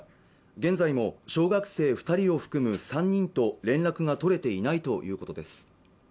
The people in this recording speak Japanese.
現在も小学生二人を含む３人と連絡が取れていないということです